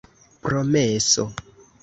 Promeso.